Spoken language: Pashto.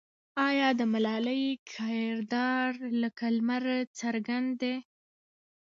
آیا د ملالۍ کردار لکه لمر څرګند دی؟